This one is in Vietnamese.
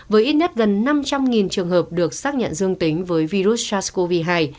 với ít nhất gần năm trăm linh trường hợp được xác nhận dương tính với virus sars cov hai